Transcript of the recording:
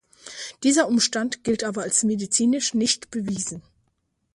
Dieser Umstand gilt aber als medizinisch nicht bewiesen.